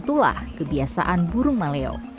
itulah kebiasaan burung maleo